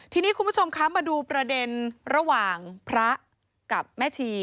ทีนี้คุณผู้ชมคะมาดูประเด็นระหว่างพระกับแม่ชี